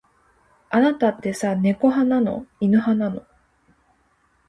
あなたってさ、猫派なの。犬派なの。